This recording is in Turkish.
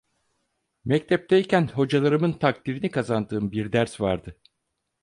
Mektepteyken hocalarımın takdirini kazandığım bir ders vardı.